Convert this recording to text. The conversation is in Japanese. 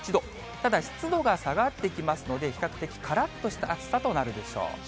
ただ、湿度が下がってきますので、比較的からっとした暑さとなるでしょう。